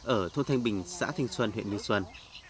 ở thôn thanh bình xã thanh xuân huyện như xuân